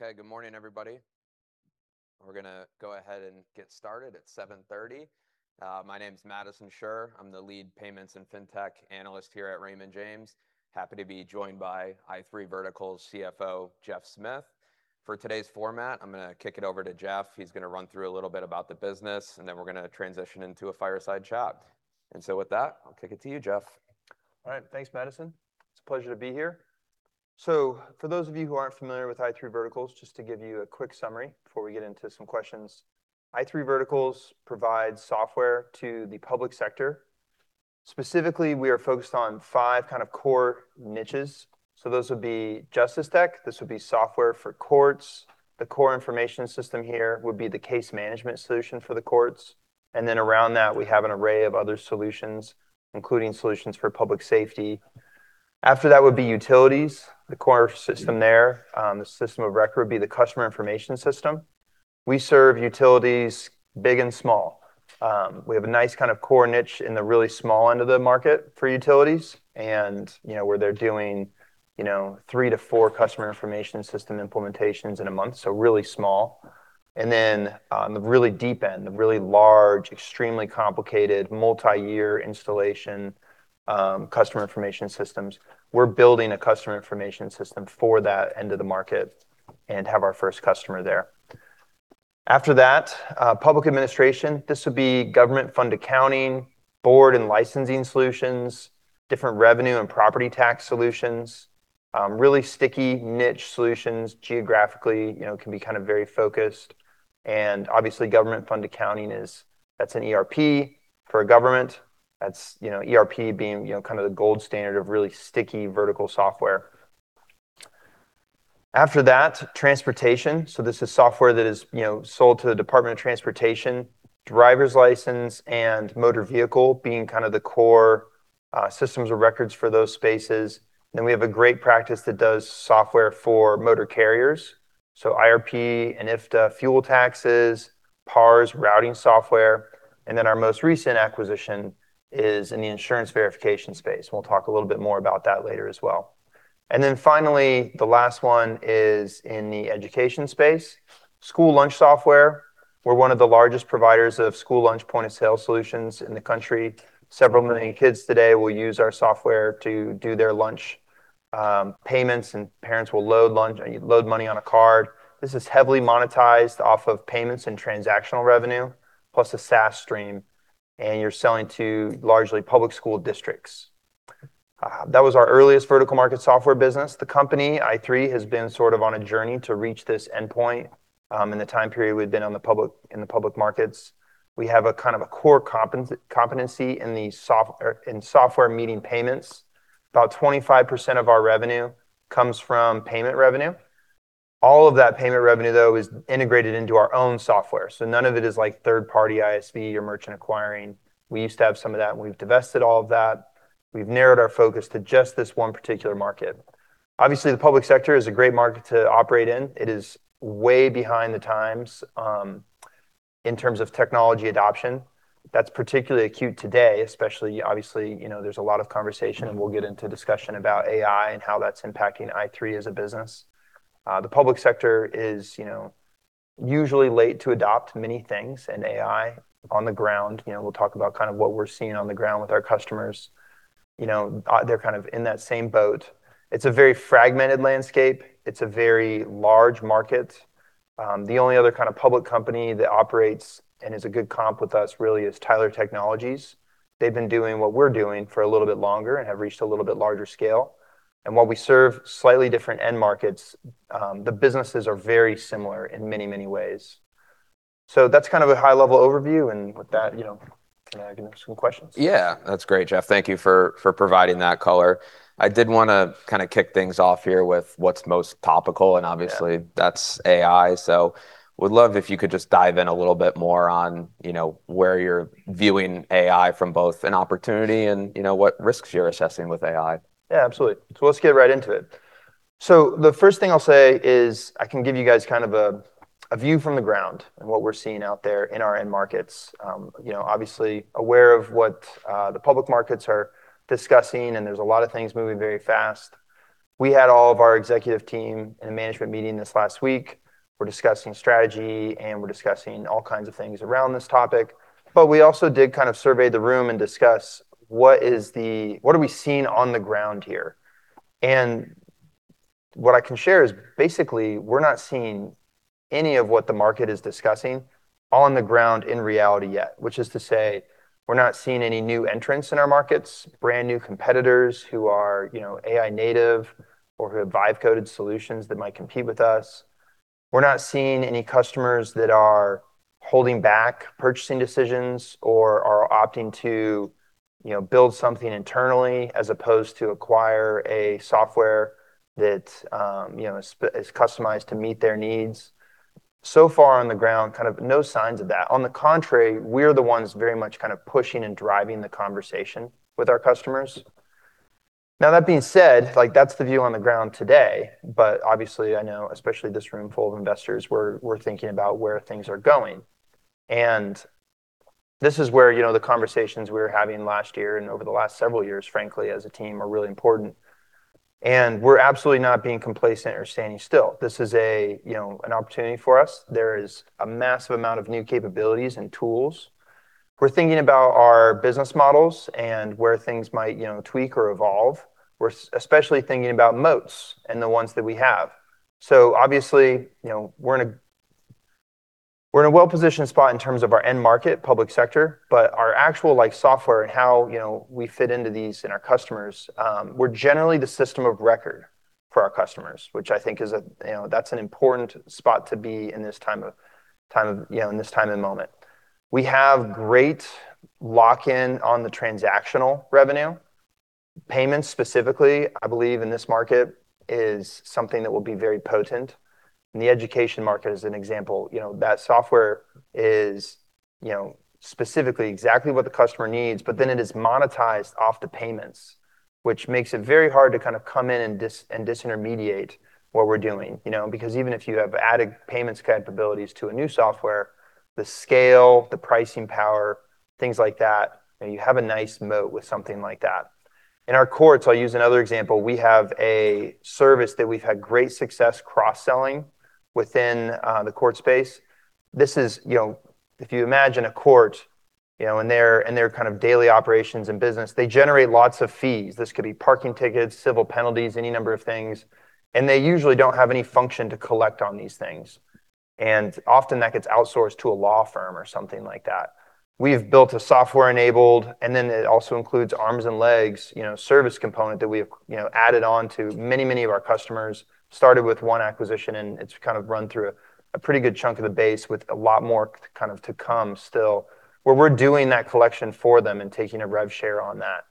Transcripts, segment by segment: Okay. Good morning, everybody. We're gonna go ahead and get started. It's 7:30 A.M. My name's Madison Suhr. I'm the lead payments and fintech analyst here at Raymond James. Happy to be joined by i3 Verticals CFO, Geoff Smith. For today's format, I'm gonna kick it over to Geoff. He's gonna run through a little bit about the business, and then we're gonna transition into a fireside chat. With that, I'll kick it to you, Geoff. All right. Thanks, Madison. It's a pleasure to be here. For those of you who aren't familiar with i3 Verticals, just to give you a quick summary before we get into some questions. i3 Verticals provides software to the public sector. Specifically, we are focused on five kind of core niches. Those would be JusticeTech, this would be software for courts. The core information system here would be the Case Management Solution for the courts, and then around that we have an array of other solutions, including solutions for public safety. After that would be utilities. The core system there, the system of record would be the customer information system. We serve utilities big and small. We have a nice kind of core niche in the really small end of the market for utilities, where they're doing three to four customer information system implementations in a month, so really small. On the really deep end, the really large, extremely complicated multi-year installation, customer information systems. We're building a customer information system for that end of the market and have our first customer there. After that, public administration. This would be government fund accounting, board and licensing solutions, different revenue and property tax solutions, really sticky niche solutions geographically, can be kind of very focused and obviously government fund accounting is. That's an ERP for a government. That's ERP being kind of the gold standard of really sticky vertical software. After that, transportation. This is software that is, you know, sold to the Department of Transportation, driver's license and motor vehicle being kind of the core systems of records for those spaces. We have a great practice that does software for motor carriers, so IRP and IFTA fuel taxes, PARS, routing software. Our most recent acquisition is in the insurance verification space, and we'll talk a little bit more about that later as well. Finally, the last one is in the education space. School lunch software. We're one of the largest providers of school lunch point-of-sale solutions in the country. Several million kids today will use our software to do their lunch payments, and parents will load money on a card. This is heavily monetized off of payments and transactional revenue, plus a SaaS stream, and you're selling to largely public school districts. That was our earliest vertical market software business. The company, i3, has been sort of on a journey to reach this endpoint in the time period we've been on the public markets. We have a kind of a core competency in software meeting payments. About 25% of our revenue comes from payment revenue. All of that payment revenue, though, is integrated into our own software, so none of it is like third-party ISV or merchant acquiring. We used to have some of that and we've divested all of that. We've narrowed our focus to just this one particular market. Obviously, the public sector is a great market to operate in. It is way behind the times in terms of technology adoption. That's particularly acute today, especially, obviously, you know, there's a lot of conversation, and we'll get into discussion about AI and how that's impacting i3 as a business. The public sector is, you know, usually late to adopt many things in AI on the ground. You know, we'll talk about kind of what we're seeing on the ground with our customers. You know, they're kind of in that same boat. It's a very fragmented landscape. It's a very large market. The only other kind of public company that operates and is a good comp with us really is Tyler Technologies. They've been doing what we're doing for a little bit longer and have reached a little bit larger scale. While we serve slightly different end markets, the businesses are very similar in many, many ways. That's kind of a high-level overview, and with that, you know, I can answer some questions. Yeah. That's great, Geoff. Thank you for providing that color. I did wanna kinda kick things off here with what's most topical. Yeah that's AI. Would love if you could just dive in a little bit more on, you know, where you're viewing AI from both an opportunity and, you know, what risks you're assessing with AI? Yeah. Absolutely. Let's get right into it. The first thing I'll say is I can give you guys kind of a view from the ground and what we're seeing out there in our end markets. you know, obviously aware of what the public markets are discussing, and there's a lot of things moving very fast. We had all of our executive team in a management meeting this last week. We're discussing strategy, and we're discussing all kinds of things around this topic. We also did kind of survey the room and discuss what are we seeing on the ground here? What I can share is basically, we're not seeing any of what the market is discussing on the ground in reality yet, which is to say we're not seeing any new entrants in our markets, brand-new competitors who are, you know, AI native or who have vibe-coded solutions that might compete with us. We're not seeing any customers that are holding back purchasing decisions or are opting to, you know, build something internally as opposed to acquire a software that, you know, is customized to meet their needs. So far on the ground, kind of no signs of that. We're the ones very much kind of pushing and driving the conversation with our customers. That being said, like, that's the view on the ground today, but obviously I know, especially this room full of investors, we're thinking about where things are going. This is where, you know, the conversations we were having last year and over the last several years, frankly, as a team, are really important. We're absolutely not being complacent or standing still. This is a, you know, an opportunity for us. There is a massive amount of new capabilities and tools. We're thinking about our business models and where things might, you know, tweak or evolve. We're especially thinking about moats and the ones that we have. Obviously, you know, we're in a well-positioned spot in terms of our end market public sector, but our actual like software and how, you know, we fit into these in our customers, we're generally the system of record for our customers, which I think is a, you know, that's an important spot to be in this time of, you know, in this time and moment. We have great lock-in on the transactional revenue. Payments specifically, I believe in this market is something that will be very potent. The education market is an example. You know, that software is specifically exactly what the customer needs, but then it is monetized off the payments, which makes it very hard to kind of come in and disintermediate what we're doing, you know. Even if you have added payments capabilities to a new software, the scale, the pricing power, things like that, you have a nice moat with something like that. In our courts, I'll use another example, we have a service that we've had great success cross-selling within the court space. This is, you know, if you imagine a court, you know, and their kind of daily operations and business, they generate lots of fees. This could be parking tickets, civil penalties, any number of things, and they usually don't have any function to collect on these things. Often that gets outsourced to a law firm or something like that. We have built a software-enabled, and then it also includes arms and legs, you know, service component that we have, you know, added on to many of our customers. Started with one acquisition, it's kind of run through a pretty good chunk of the base with a lot more kind of to come still, where we're doing that collection for them and taking a rev share on that.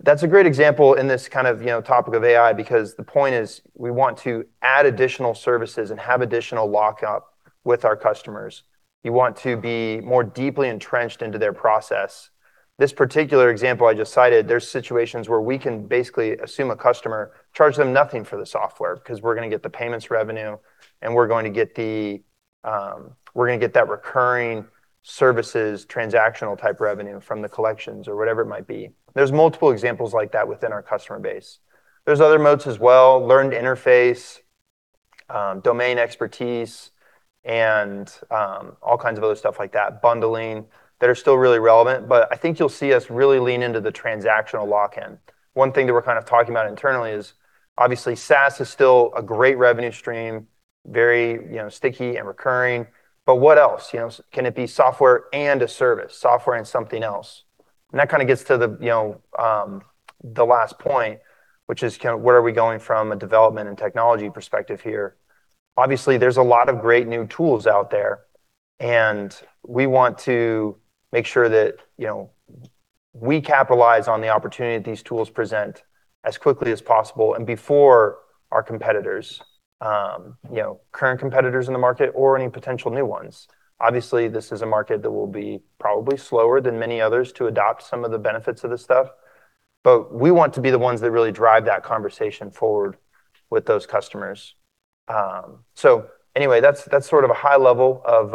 That's a great example in this kind of, you know, topic of AI because the point is we want to add additional services and have additional lockup with our customers. You want to be more deeply entrenched into their process. This particular example I just cited, there's situations where we can basically assume a customer, charge them nothing for the software because we're gonna get the payments revenue, and we're going to get the, we're gonna get that recurring services, transactional type revenue from the collections or whatever it might be. There's multiple examples like that within our customer base. There's other moats as well. Learned interface, domain expertise, and all kinds of other stuff like that, bundling, that are still really relevant. I think you'll see us really lean into the transactional lock-in. One thing that we're kind of talking about internally is obviously SaaS is still a great revenue stream, very, you know, sticky and recurring, but what else? You know, can it be software and a service, software and something else? That kind of gets to the, you know, the last point, which is kind of where are we going from a development and technology perspective here? Obviously, there's a lot of great new tools out there, and we want to make sure that, you know, we capitalize on the opportunity that these tools present as quickly as possible and before our competitors, you know, current competitors in the market or any potential new ones. Obviously, this is a market that will be probably slower than many others to adopt some of the benefits of this stuff, but we want to be the ones that really drive that conversation forward with those customers. Anyway, that's sort of a high level of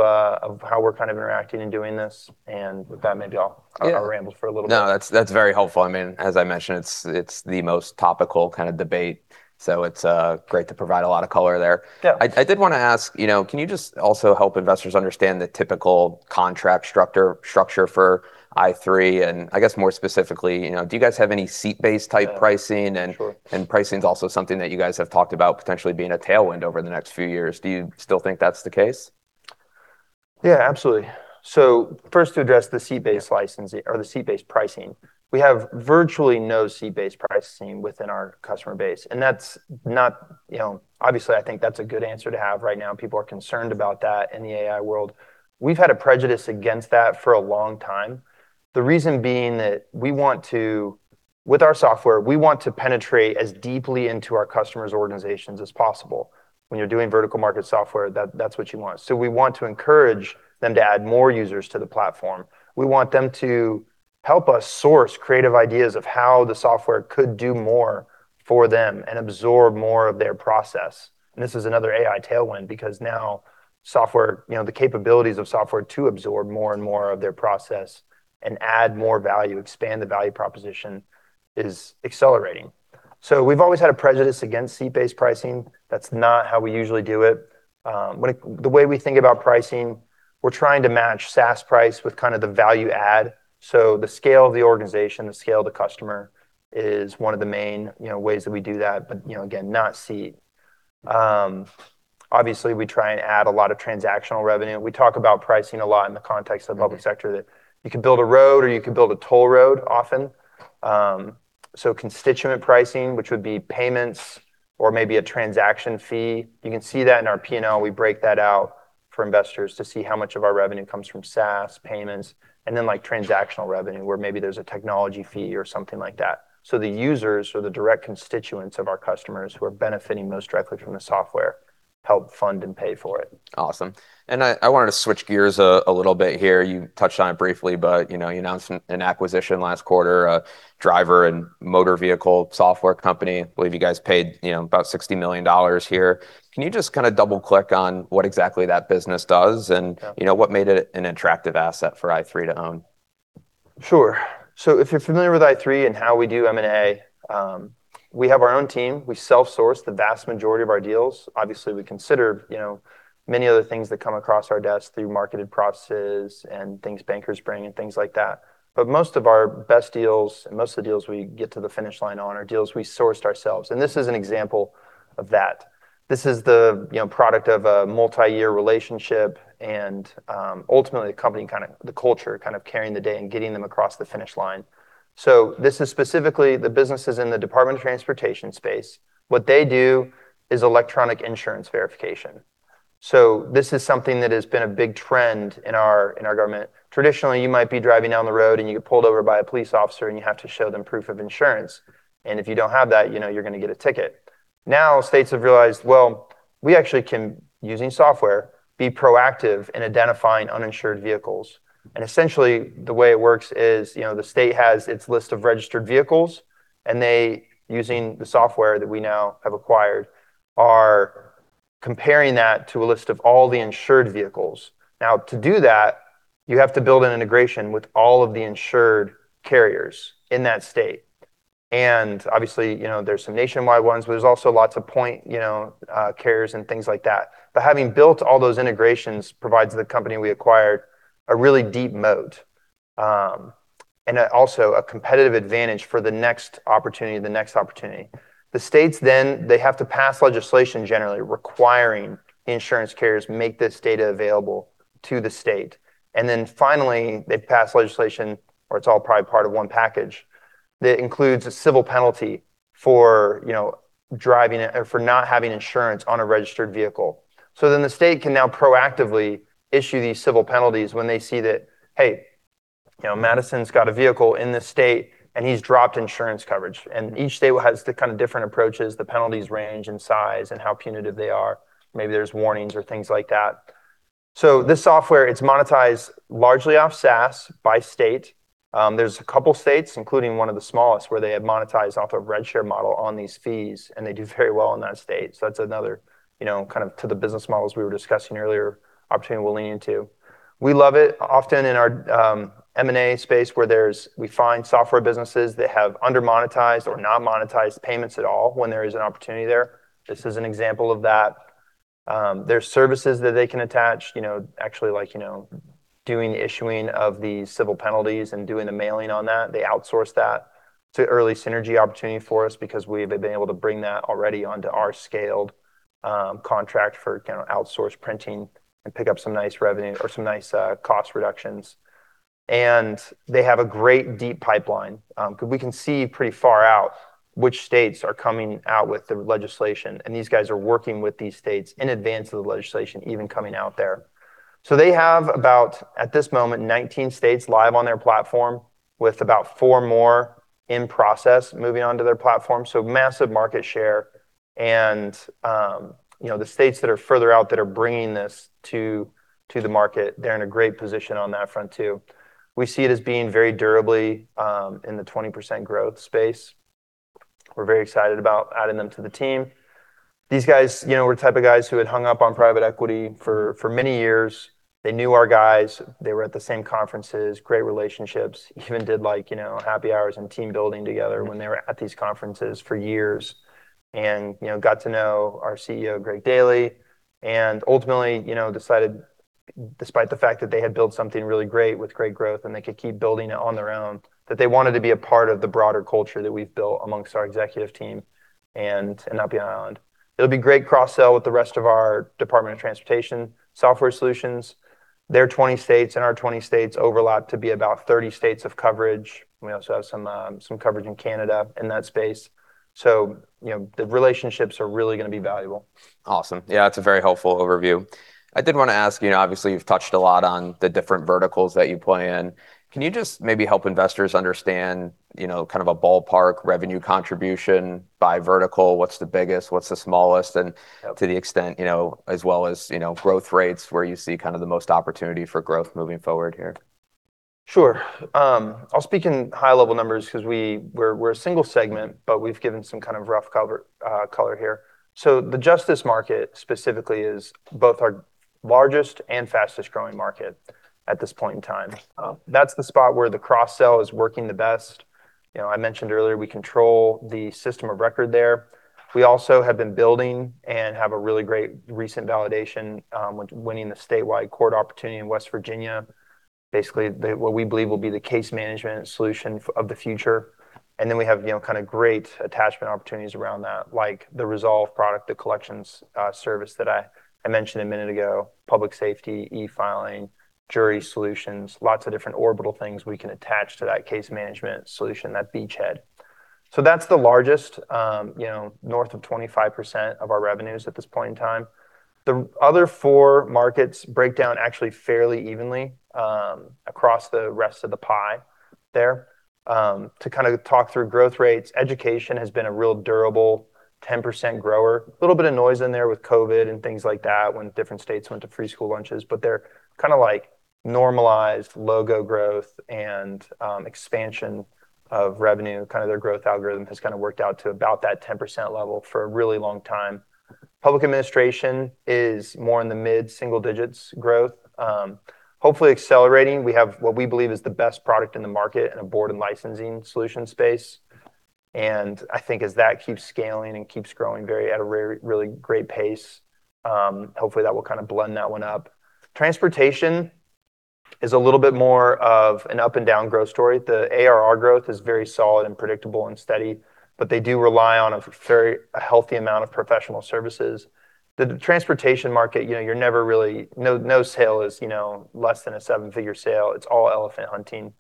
how we're kind of interacting and doing this. With that. Yeah. I rambled for a little bit. No, that's very helpful. I mean, as I mentioned, it's the most topical kind of debate, so it's great to provide a lot of color there. Yeah. I did wanna ask, you know, can you just also help investors understand the typical contract structure for i3? I guess more specifically, you know, do you guys have any seat-based type pricing? Sure. Pricing's also something that you guys have talked about potentially being a tailwind over the next few years. Do you still think that's the case? Yeah, absolutely. First, to address the seat-based licensing or the seat-based pricing, we have virtually no seat-based pricing within our customer base, and that's not, you know, obviously, I think that's a good answer to have right now. People are concerned about that in the AI world. We've had a prejudice against that for a long time. The reason being that with our software, we want to penetrate as deeply into our customers' organizations as possible. When you're doing vertical market software, that's what you want. We want to encourage them to add more users to the platform. We want them to help us source creative ideas of how the software could do more for them and absorb more of their process. This is another AI tailwind because now software, you know, the capabilities of software to absorb more and more of their process and add more value, expand the value proposition is accelerating. We've always had a prejudice against seat-based pricing. That's not how we usually do it. The way we think about pricing, we're trying to match SaaS price with kind of the value add. The scale of the organization, the scale of the customer is one of the main, you know, ways that we do that. You know, again, not seat. Obviously, we try and add a lot of transactional revenue. We talk about pricing a lot in the context of the public sector, that you can build a road or you can build a toll road often. Constituent pricing, which would be payments or maybe a transaction fee, you can see that in our P&L. We break that out for investors to see how much of our revenue comes from SaaS payments and then like transactional revenue, where maybe there's a technology fee or something like that. The users or the direct constituents of our customers who are benefiting most directly from the software help fund and pay for it. Awesome. I wanted to switch gears a little bit here. You touched on it briefly, but, you know, you announced an acquisition last quarter, a driver and motor vehicle software company. Believe you guys paid, you know, about $60 million here. Can you just kinda double-click on what exactly that business does? Yeah. You know, what made it an attractive asset for i3 to own? Sure. If you're familiar with i3 and how we do M&A, we have our own team. We self-source the vast majority of our deals. Obviously, we consider, you know, many other things that come across our desk through marketed processes and things bankers bring and things like that. Most of our best deals and most of the deals we get to the finish line on are deals we sourced ourselves, and this is an example of that. This is the, you know, product of a multi-year relationship and ultimately the culture kind of carrying the day and getting them across the finish line. This is specifically the businesses in the Department of Transportation space. What they do is electronic insurance verification. This is something that has been a big trend in our, in our government. Traditionally, you might be driving down the road, and you get pulled over by a police officer, and you have to show them proof of insurance. If you don't have that, you know you're gonna get a ticket. Now, states have realized, well, we actually can, using software, be proactive in identifying uninsured vehicles. Essentially the way it works is, you know, the state has its list of registered vehicles, and they, using the software that we now have acquired, are comparing that to a list of all the insured vehicles. Now, to do that, you have to build an integration with all of the insured carriers in that state. Obviously, you know, there's some nationwide ones, but there's also lots of point, you know, carriers and things like that. Having built all those integrations provides the company we acquired a really deep moat, and also a competitive advantage for the next opportunity. They have to pass legislation generally requiring insurance carriers make this data available to the state. Finally, they pass legislation, or it's all probably part of one package, that includes a civil penalty for, you know, not having insurance on a registered vehicle. The state can now proactively issue these civil penalties when they see that, hey, you know, Madison's got a vehicle in this state, and he's dropped insurance coverage. Each state has the kind of different approaches, the penalties range in size and how punitive they are. Maybe there's warnings or things like that. This software, it's monetized largely off SaaS by state. There's a couple states, including one of the smallest, where they have monetized off a rent share model on these fees. They do very well in that state. That's another, you know, kind of to the business models we were discussing earlier, opportunity we'll lean into. We love it. Often in our M&A space where we find software businesses that have under-monetized or non-monetized payments at all when there is an opportunity there. This is an example of that. There's services that they can attach, you know, actually like, you know, doing the issuing of these civil penalties and doing the mailing on that. They outsource that. It's an early synergy opportunity for us because we've been able to bring that already onto our scaled contract for kinda outsourced printing and pick up some nice revenue or some nice cost reductions. They have a great deep pipeline. 'cause we can see pretty far out which states are coming out with the legislation, and these guys are working with these states in advance of the legislation even coming out there. They have about, at this moment, 19 states live on their platform, with about four more in process moving onto their platform. Massive market share and, you know, the states that are further out that are bringing this to the market, they're in a great position on that front too. We see it as being very durably in the 20% growth space. We're very excited about adding them to the team. These guys, you know, were the type of guys who had hung up on private equity for many years. They knew our guys. They were at the same conferences, great relationships, even did like, you know, happy hours and team building together when they were at these conferences for years. you know, got to know our CEO, Greg Daily. Ultimately, you know, decided despite the fact that they had built something really great with great growth and they could keep building it on their own, that they wanted to be a part of the broader culture that we've built amongst our executive team and up beyond. It'll be great cross-sell with the rest of our Department of Transportation software solutions. Their 20 states and our 20 states overlap to be about 30 states of coverage. We also have some coverage in Canada in that space. you know, the relationships are really gonna be valuable. Awesome. Yeah, that's a very helpful overview. I did wanna ask, you know, obviously you've touched a lot on the different verticals that you play in. Can you just maybe help investors understand, you know, kind of a ballpark revenue contribution by vertical? What's the biggest, what's the smallest, and to the extent, you know, as well as, you know, growth rates, where you see kind of the most opportunity for growth moving forward here? Sure. I'll speak in high-level numbers 'cause we're a single segment, but we've given some kind of rough color here. The justice market specifically is both our largest and fastest-growing market at this point in time. That's the spot where the cross-sell is working the best. You know, I mentioned earlier we control the system of record there. We also have been building and have a really great recent validation with winning the statewide court opportunity in West Virginia. Basically, the what we believe will be the Case Management Solution of the future. We have, you know, kind of great attachment opportunities around that, like the Resolv product, the collections service that I mentioned a minute ago, public safety, e-filing, jury solutions, lots of different orbital things we can attach to that Case Management Solution, that beachhead. That's the largest, you know, north of 25% of our revenues at this point in time. The other four markets break down actually fairly evenly, across the rest of the pie there. To kinda talk through growth rates, education has been a real durable 10% grower. Little bit of noise in there with COVID and things like that when different states went to free school lunches, they're kinda like normalized logo growth and, expansion of revenue. Kinda their growth algorithm has kinda worked out to about that 10% level for a really long time. Public administration is more in the mid-single digits growth. Hopefully accelerating. We have what we believe is the best product in the market in a board and licensing solution space. I think as that keeps scaling and keeps growing very, at a really great pace, hopefully that will kind of blend that one up. Transportation is a little bit more of an up and down growth story. The ARR growth is very solid and predictable and steady, but they do rely on a very, a healthy amount of professional services. The transportation market, you know, you're never really no sale is, you know, less than a seven-figure sale. It's all elephant hunting.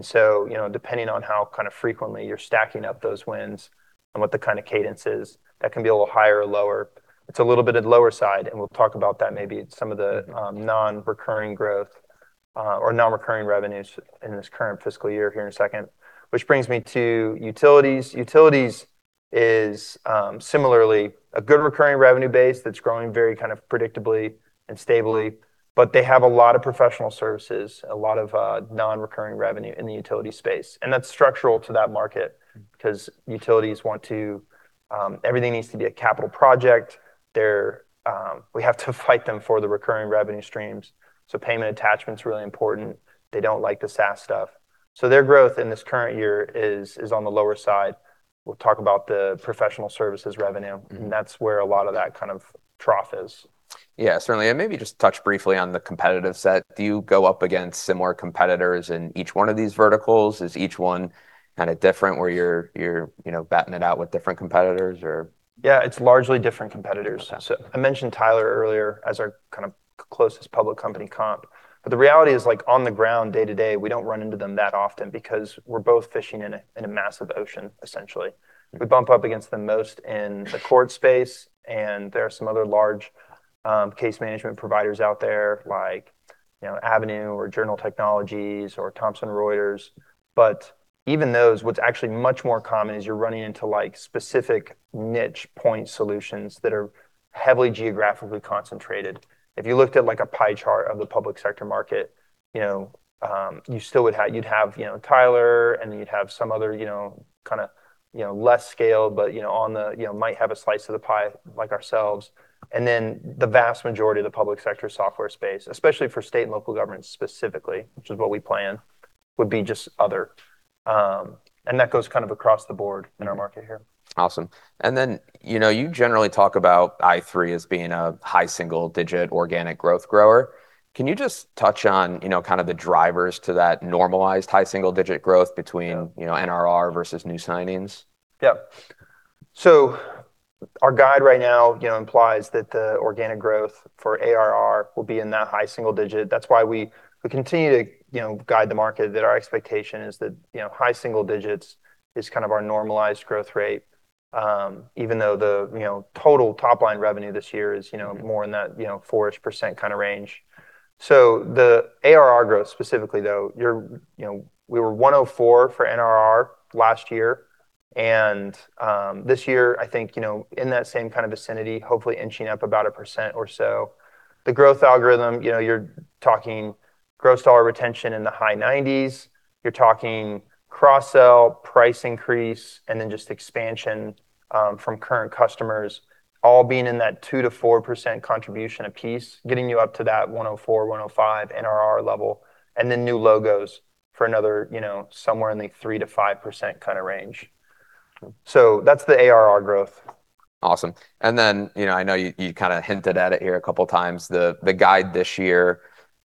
So, you know, depending on how kind of frequently you're stacking up those wins and what the kind of cadence is, that can be a little higher or lower. It's a little bit at lower side, and we'll talk about that, maybe some of the non-recurring growth, or non-recurring revenues in this current fiscal year here in a second. Brings me to utilities. Utilities is similarly a good recurring revenue base that's growing very kind of predictably and stably, but they have a lot of professional services, a lot of non-recurring revenue in the utility space, and that's structural to that market because utilities want to, everything needs to be a capital project. They're, we have to fight them for the recurring revenue streams, so payment attachment's really important. They don't like the SaaS stuff. Their growth in this current year is on the lower side. We'll talk about the professional services revenue, and that's where a lot of that kind of trough is. Yeah, certainly. Maybe just touch briefly on the competitive set. Do you go up against similar competitors in each one of these verticals? Is each one kind of different where you're, you know, batting it out with different competitors or? Yeah, it's largely different competitors. Okay. I mentioned Tyler earlier as our kind of closest public company comp. The reality is, like, on the ground day-to-day, we don't run into them that often because we're both fishing in a, in a massive ocean, essentially. We bump up against them most in the court space, there are some other large case management providers out there like, you know, Avenu or Journal Technologies or Thomson Reuters. Even those, what's actually much more common is you're running into like specific niche point solutions that are heavily geographically concentrated. If you looked at like a pie chart of the public sector market, you know, you still would have, you'd have, you know, Tyler, and then you'd have some other, you know, kinda, you know, less scale but, you know, on the, you know, might have a slice of the pie like ourselves. The vast majority of the public sector software space, especially for state and local governments specifically, which is what we plan, would be just other, and that goes kind of across the board in our market here. Awesome. You know, you generally talk about i3 as being a high single digit organic growth grower. Can you just touch on, you know, kind of the drivers to that normalized high single digit growth. Yeah. You know, NRR versus new signings? Yeah. Our guide right now, you know, implies that the organic growth for ARR will be in that high single digit. That's why we continue to, you know, guide the market that our expectation is that, you know, high single digits is kind of our normalized growth rate. Even though the, you know, total top line revenue this year is, you know, more in that, you know, 4-ish % kind of range. The ARR growth specifically though, you're, you know, we were 104 for NRR last year, and this year I think, you know, in that same kind of vicinity hopefully inching up about 1% or so. The growth algorithm, you know, you're talking gross dollar retention in the high 90s, you're talking cross-sell price increase, and then just expansion from current customers all being in that 2%-4% contribution a piece, getting you up to that 104, 105 NRR level. New logos for another, you know, somewhere in the 3%-5% kinda range. That's the ARR growth. Awesome. You know, I know you kinda hinted at it here a couple times. The guide this year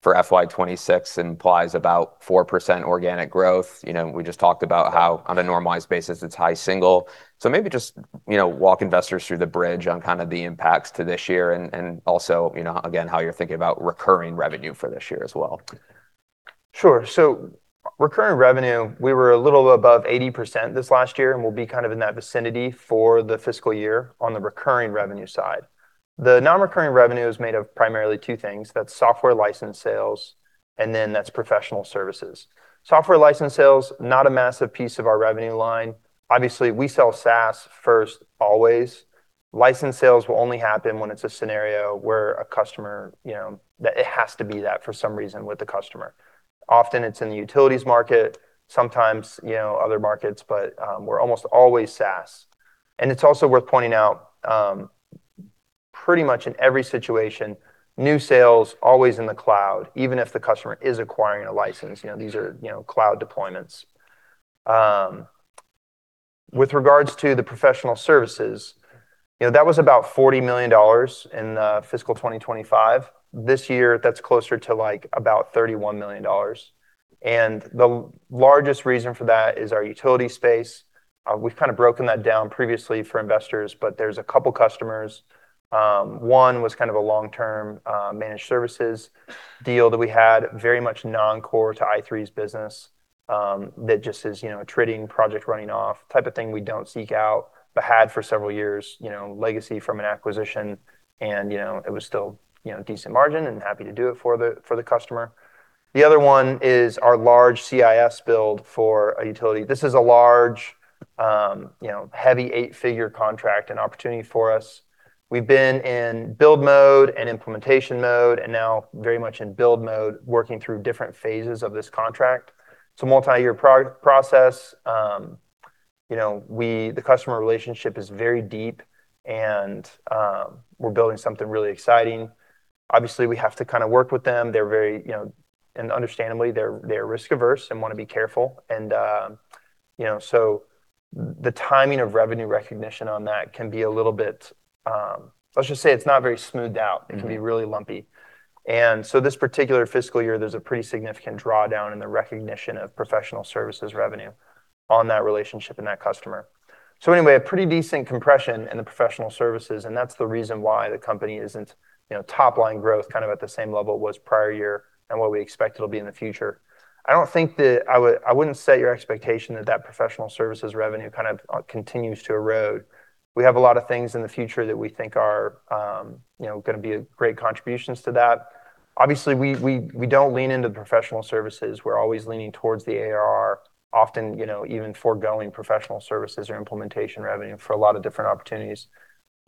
for FY 2026 implies about 4% organic growth. You know, we just talked about how on a normalized basis it's high single. Maybe just, you know, walk investors through the bridge on kinda the impacts to this year and also, you know, again, how you're thinking about recurring revenue for this year as well. Sure. Recurring revenue, we were a little above 80% this last year, and we'll be kind of in that vicinity for the fiscal year on the recurring revenue side. The non-recurring revenue is made of primarily two things: That's software license sales and then that's professional services. Software license sales, not a massive piece of our revenue line. Obviously, we sell SaaS first always. License sales will only happen when it's a scenario where a customer, you know, that it has to be that for some reason with the customer. Often it's in the utilities market, sometimes, you know, other markets but, we're almost always SaaS. It's also worth pointing out, pretty much in every situation, new sales always in the cloud even if the customer is acquiring a license, you know. These are, you know, cloud deployments. With regards to the professional services, you know, that was about $40 million in fiscal 2025. This year that's closer to like about $31 million. The largest reason for that is our utility space. We've kinda broken that down previously for investors but there's a couple customers. One was kind of a long term, managed services deal that we had very much non-core to i3's business, that just is, you know, a trading project running off type of thing we don't seek out but had for several years, you know, legacy from an acquisition and, you know, it was still, you know, decent margin and happy to do it for the, for the customer. The other one is our large CIS build for a utility. This is a large, you know, heavy eight-figure contract and opportunity for us. We've been in build mode and implementation mode and now very much in build mode working through different phases of this contract. It's a multi-year pro-process, you know, the customer relationship is very deep. We're building something really exciting. Obviously, we have to kind of work with them. They're very, you know, and understandably, they're risk-averse and wanna be careful. So the timing of revenue recognition on that can be a little bit, let's just say it's not very smoothed out. It can be really lumpy. This particular fiscal year, there's a pretty significant drawdown in the recognition of professional services revenue on that relationship and that customer. Anyway, a pretty decent compression in the professional services, and that's the reason why the company isn't, you know, top-line growth kind of at the same level it was prior year and what we expect it'll be in the future. I wouldn't set your expectation that that professional services revenue kind of continues to erode. We have a lot of things in the future that we think are, you know, gonna be great contributions to that. Obviously, we don't lean into the professional services. We're always leaning towards the ARR, often, you know, even foregoing professional services or implementation revenue for a lot of different opportunities.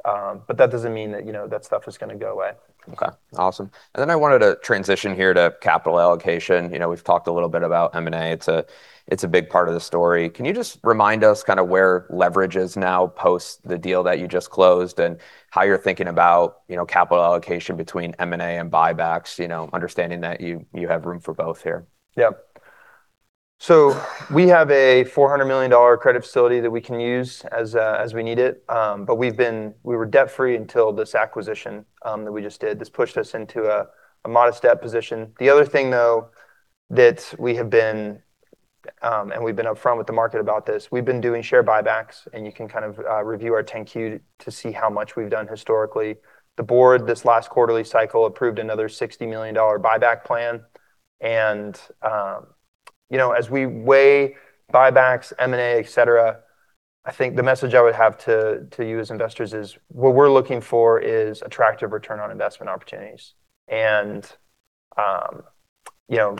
But that doesn't mean that, you know, that stuff is gonna go away. Okay. Awesome. I wanted to transition here to capital allocation. You know, we've talked a little bit about M&A. It's a, it's a big part of the story. Can you just remind us kinda where leverage is now post the deal that you just closed and how you're thinking about, you know, capital allocation between M&A and buybacks, you know, understanding that you have room for both here? Yep. We have a $400 million credit facility that we can use as we need it. We were debt-free until this acquisition that we just did. This pushed us into a modest debt position. The other thing, though, that we have been, and we've been upfront with the market about this, we've been doing share buybacks, and you can kind of review our Form 10-Q to see how much we've done historically. The board this last quarterly cycle approved another $60 million buyback plan. you know, as we weigh buybacks, M&A, et cetera, I think the message I would have to you as investors is what we're looking for is attractive return on investment opportunities. you know,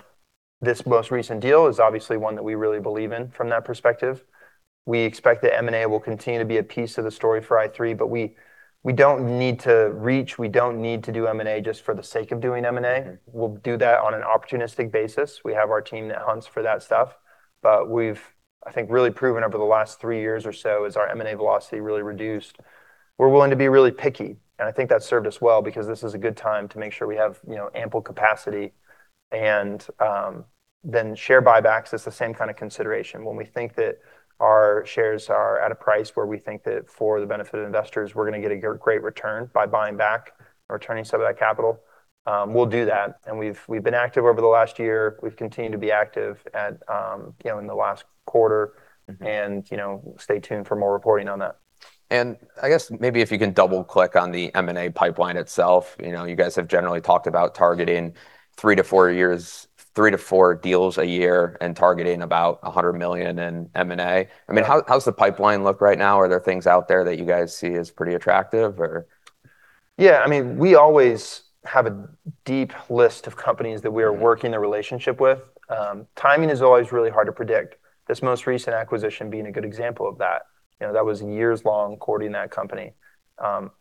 this most recent deal is obviously one that we really believe in from that perspective. We expect that M&A will continue to be a piece of the story for i3, but we don't need to reach. We don't need to do M&A just for the sake of doing M&A. We'll do that on an opportunistic basis. We have our team that hunts for that stuff. We've, I think, really proven over the last 3 years or so as our M&A velocity really reduced, we're willing to be really picky, and I think that's served us well because this is a good time to make sure we have, you know, ample capacity. Then share buybacks, it's the same kind of consideration. When we think that our shares are at a price where we think that for the benefit of investors, we're gonna get a great return by buying back or returning some of that capital, we'll do that. We've been active over the last year. We've continued to be active at, you know, in the last quarter. You know, stay tuned for more reporting on that. I guess maybe if you can double-click on the M&A pipeline itself. You know, you guys have generally talked about targeting three to four years, three to four deals a year and targeting about $100 million in M&A. Yeah. I mean, how's the pipeline look right now? Are there things out there that you guys see as pretty attractive or? Yeah. I mean, we always have a deep list of companies that we are working a relationship with. Timing is always really hard to predict. This most recent acquisition being a good example of that. You know, that was years long courting that company.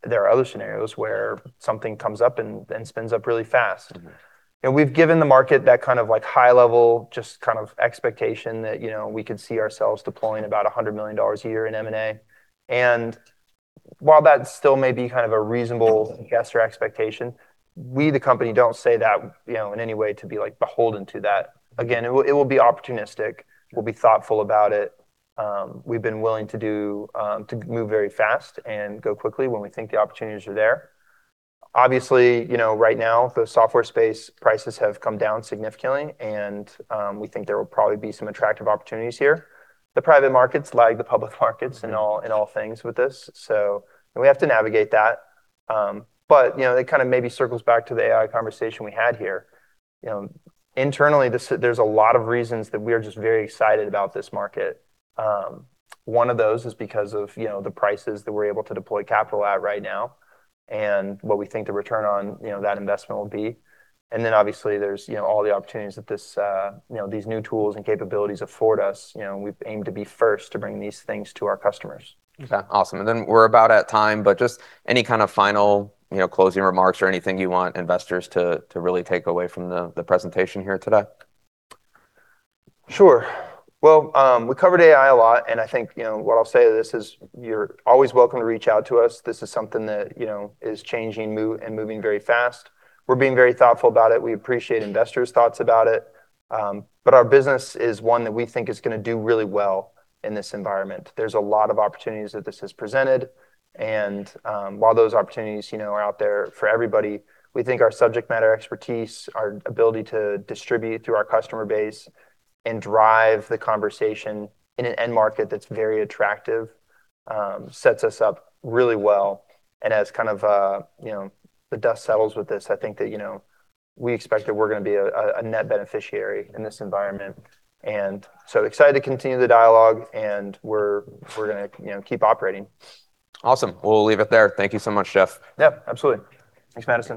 There are other scenarios where something comes up and spins up really fast. We've given the market that kind of like high level just kind of expectation that, you know, we could see ourselves deploying about $100 million a year in M&A. While that still may be kind of a reasonable guess or expectation, we, the company, don't say that, you know, in any way to be, like, beholden to that. Again, it will be opportunistic. We'll be thoughtful about it. We've been willing to do to move very fast and go quickly when we think the opportunities are there. Obviously, you know, right now, the software space prices have come down significantly, and we think there will probably be some attractive opportunities here. The private markets lag the public markets in all things with this. We have to navigate that. You know, it kinda maybe circles back to the AI conversation we had here. You know, internally, there's a lot of reasons that we're just very excited about this market. One of those is because of, you know, the prices that we're able to deploy capital at right now and what we think the return on, you know, that investment will be. Obviously, there's, you know, all the opportunities that this, you know, these new tools and capabilities afford us. You know, we aim to be first to bring these things to our customers. Okay. Awesome. We're about at time, but just any kind of final, you know, closing remarks or anything you want investors to really take away from the presentation here today? Sure. Well, we covered AI a lot, and I think, you know, what I'll say to this is you're always welcome to reach out to us. This is something that, you know, is changing and moving very fast. We're being very thoughtful about it. We appreciate investors' thoughts about it. Our business is one that we think is gonna do really well in this environment. There's a lot of opportunities that this has presented. While those opportunities, you know, are out there for everybody, we think our subject matter expertise, our ability to distribute through our customer base and drive the conversation in an end market that's very attractive, sets us up really well. As kind of, you know, the dust settles with this, I think that, you know, we expect that we're gonna be a net beneficiary in this environment. Excited to continue the dialogue, and we're gonna you know, keep operating. Awesome. We'll leave it there. Thank you so much, Geoff. Yep, absolutely. Thanks, Madison.